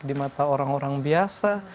di mata orang orang biasa